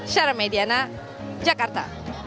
syara mediana jakarta